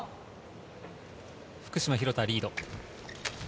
福島・廣田リード。